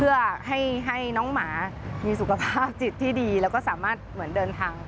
เพื่อให้น้องหมามีสุขภาพจิตที่ดีแล้วก็สามารถเหมือนเดินทาง